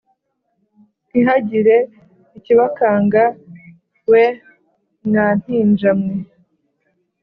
Ntihagire ikibakanga we mwa mpinja mwe